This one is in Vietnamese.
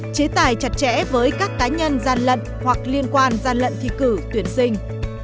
chế tài chặt chẽ với các cá nhân gian lận hoặc liên quan gian lận thi cử tuyển sinh